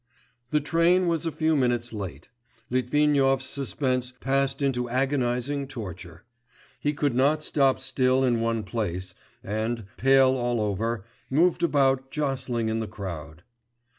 The train was a few minutes late. Litvinov's suspense passed into agonising torture; he could not stop still in one place, and, pale all over, moved about jostling in the crowd.